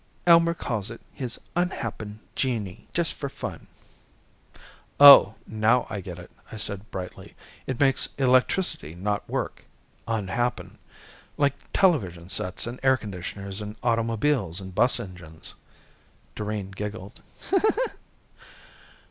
Elmer calls it his unhappen genii. Just for fun." "Oh, now I get it," I said brightly. "It makes electricity not work unhappen. Like television sets and air conditioners and automobiles and bus engines." Doreen giggled.